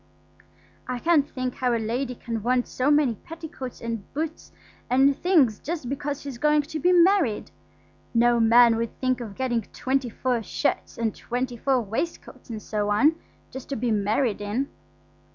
I can't think how a lady can want so many petticoats and boots and things just because she's going to be married. No man would think of getting twenty four shirts and twenty four waistcoats, and so on, just to be married in.